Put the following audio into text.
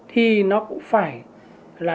thì nó cũng phải là một quy định pháp luật